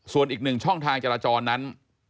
ส่วนอีกหนึ่งช่องทางจราจรนั้น